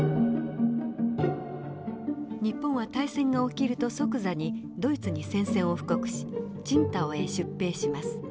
日本は大戦が起きると即座にドイツに宣戦を布告しチンタオへ出兵します。